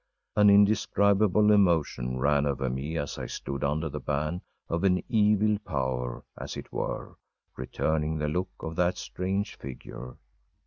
An indescribable emotion ran over me as I stood under the ban of an evil power, as it were, returning the look of that strange figure.